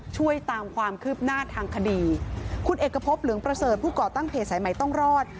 ช่วยตามความคืบหน้าทางคดีคุณเอกพบเหลืองประเสริฐผู้ก่อตั้งเพจสายใหม่ต้องรอด